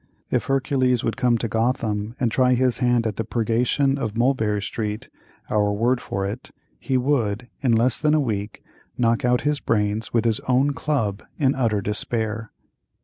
If Hercules would come to Gotham and try his hand at the purgation of Mulberry Street, our word for it, he would, in less than a week, knock out his brains with his own club in utter despair.